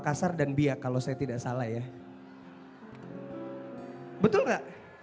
kupikku di sini